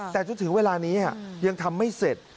แต่จนถึงเวลานี้ยังทำไม่เสร็จ